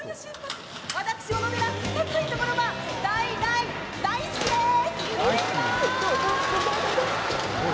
私、小野寺高いところが大・大・大好きです！